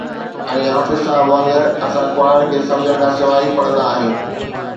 ۽ حافظ صاحب وانگر، اسان قرآن سمجھڻ کان سواءِ ئي پڙھندا آھيون